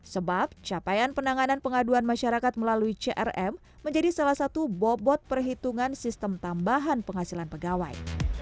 sebab capaian penanganan pengaduan masyarakat melalui crm menjadi salah satu bobot perhitungan sistem tambahan penghasilan pegawai